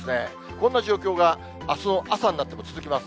こんな状況があすの朝になっても続きます。